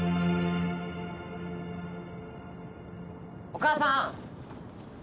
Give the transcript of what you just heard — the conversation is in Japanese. お母さん！